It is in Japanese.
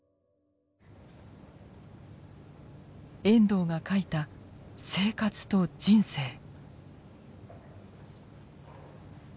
遠藤が書いた「生活と人生」。